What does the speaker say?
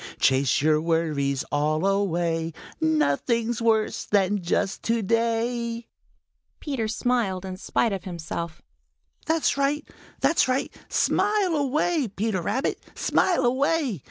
Chase your worries all away; Nothing's worse than just to day." Peter smiled in spite of himself. "That's right! That's right! Smile away, Peter Rabbit. Smile away!